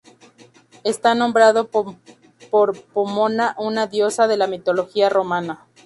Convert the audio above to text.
Está nombrado por Pomona, una diosa de la mitología romana.